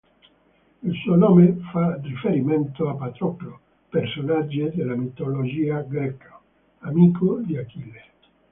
Il suo nome fa riferimento a Patroclo, personaggio della mitologia greca, amico di Achille.